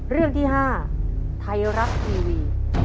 เรื่องที่๕ไทยรัฐทีวี